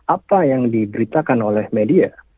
apa yang diberitakan oleh media